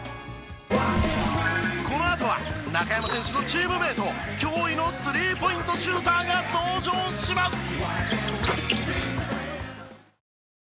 このあとは中山選手のチームメート脅威の３ポイントシューターが登場します！